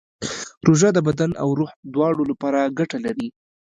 روژه د بدن او روح دواړو لپاره ګټه لري.